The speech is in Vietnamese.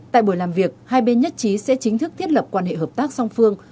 tại buổi làm việc hai bên nhất trí sẽ chính thức thiết lập quan hệ hợp tác song phương